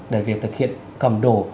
để việc thực hiện cầm đồ